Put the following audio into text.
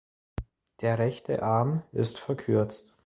Der rechte Arm ist verkürzt.